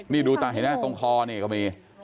นี่ดูต่างให้หน้าตรงคอนี่ก็มี